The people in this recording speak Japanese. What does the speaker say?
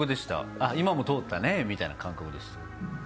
あっ、今も通ったねみたいな感覚です。